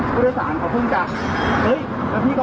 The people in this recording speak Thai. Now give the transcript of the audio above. เดี๋ยวยากทีมุมมากอย่างกัน